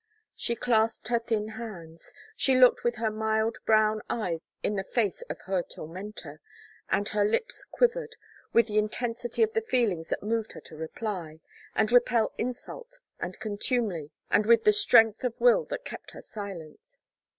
She clasped her thin hands she looked with her mild brown eyes in the face of her tormentor, and her lips quivered with the intensity of the feelings that moved her to reply, and repel insult and contumely, and with the strength of will that kept her silent.